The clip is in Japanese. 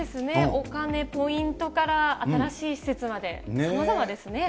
お金、ポイントから、新しい施設まで、さまざまですね。